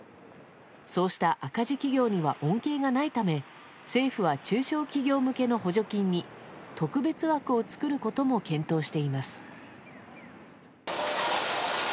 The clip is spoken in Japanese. そうした赤字企業には恩恵がないため政府は中小企業向けの補助金に特別枠を作ることも検討しています。